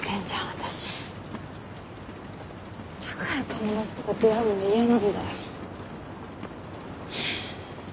私だから友達とか出会うのが嫌なんだよ